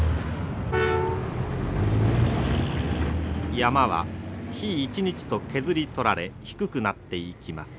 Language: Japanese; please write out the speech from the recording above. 山は日一日と削り取られ低くなっていきます。